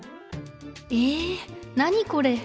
え何これ？